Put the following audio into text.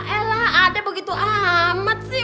elah adek begitu amat sih